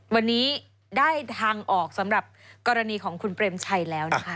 วันนี้ได้ทางออกสำหรับกรณีของคุณเปรมชัยแล้วนะคะ